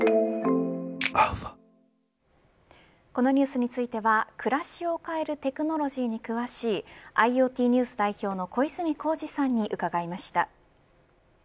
このニュースについては暮らしを変えるテクノロジーに詳しいＩｏＴＮＥＷＳ代表の小泉耕二さんに伺いました。